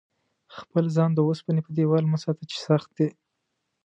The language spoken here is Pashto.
خپل ځان د اوسپنې په دېوال مه ساته چې سخت دی.